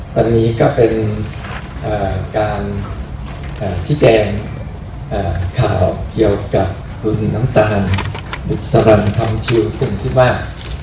ตอนนี้ก็เป็นการที่แจงข่าวเกี่ยวกับคุณน้ำตาลบุษรรรณธรรมชีวิตขึ้นที่บ้าน